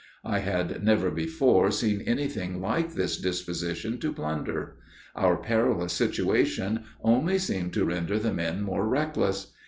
I had never before seen anything like this disposition to plunder. Our perilous situation only seemed to render the men more reckless.